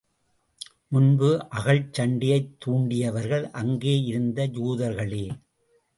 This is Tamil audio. முன்பு அகழ்ச் சண்டையைத் தூண்டியவர்கள் அங்கே இருந்த யூதர்களே.